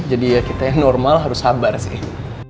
jadi ya kita yang normal harus sabar sih